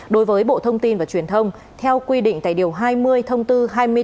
đối với bộ thông tin và truyền thông theo quy định tại điều hai mươi thông tư hai mươi bốn hai nghìn một mươi năm